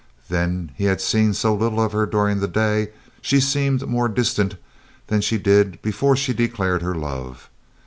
Then he had seen so little of her during the day; she seemed more distant than she did before she declared her love.